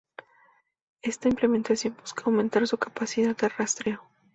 Esta implementación busca aumentar su capacidad de rastreo.